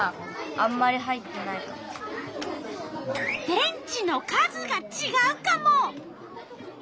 電池の数がちがうカモ！